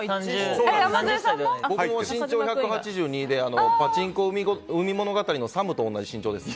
僕も身長１８２でパチンコ「海物語」のサムと同じ身長です。